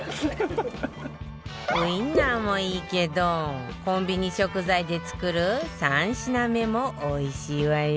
ウインナーもいいけどコンビニ食材で作る３品目もおいしいわよ